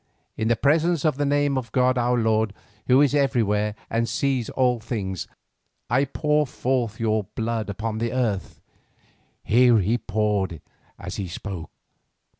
In the presence and the name of god our lord, who is everywhere and sees all things, I pour forth your blood upon the earth!" (here he poured as he spoke).